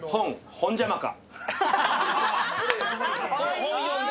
ホンジャマカ。